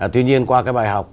tuy nhiên qua cái bài học